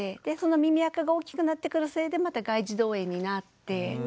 でその耳あかが大きくなってくるせいでまた外耳道炎になって。